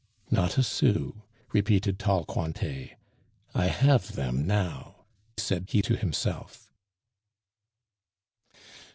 "Not a sou," repeated tall Cointet. "I have them now," said he to himself.